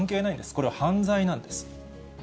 これは犯罪なんです。